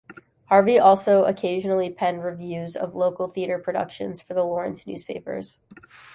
Harvey also occasionally penned reviews of local theater productions for the Lawrence newspaper.